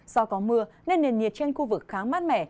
do có mưa nên nền nhiệt trên khu vực khá mát mẻ